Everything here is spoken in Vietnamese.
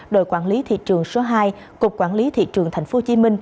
đội quản lý thị trường số hai cục quản lý thị trường tp hcm